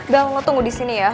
bel ngetunggu disini ya